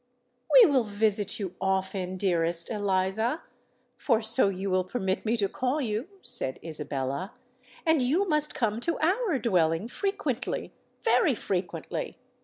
"We will visit you often, dearest Eliza—for so you will permit me to call you," said Isabella; "and you must come to our dwelling frequently—very frequently!